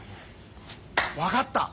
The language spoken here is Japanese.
分かった！